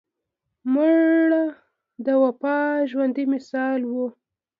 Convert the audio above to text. مړه د وفا ژوندي مثال وه